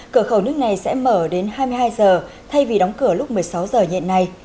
cửa khẩu nước này sẽ mở đến hai mươi hai h thay vì đóng cửa lúc một mươi sáu h nhện này